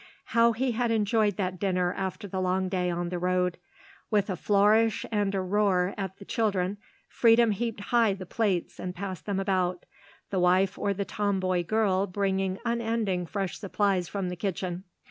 How he had enjoyed that dinner after the long day on the road. With a flourish and a roar at the children Freedom heaped high the plates and passed them about, the wife or the tomboy girl bringing unending fresh supplies from the kitchen.